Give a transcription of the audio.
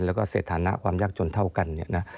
แล้วก็เสร็จฐานะความยากจนเท่ากัน